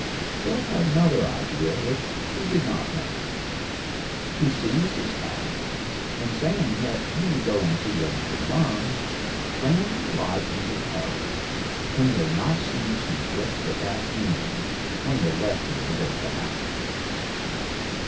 Philip had another idea which, he did not mention. He seized his hat, and saying that he would go and see what he could learn, ran to the lodgings of Harry; whom he had not seen since yesterday afternoon, when he left him to go to the House.